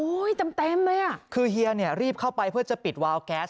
เต็มเต็มเลยอ่ะคือเฮียเนี่ยรีบเข้าไปเพื่อจะปิดวาวแก๊ส